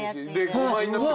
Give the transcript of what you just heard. ５枚になってる。